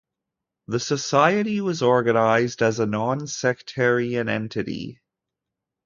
The Society was organized as a non-sectarian entity.